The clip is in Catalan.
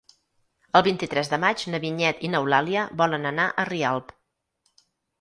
El vint-i-tres de maig na Vinyet i n'Eulàlia volen anar a Rialp.